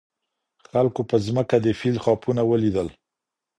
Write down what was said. خلګو په ځمکه د فیل خاپونه ولیدل.